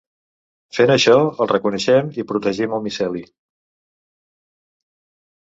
Fent això el reconeixem i protegim el miceli.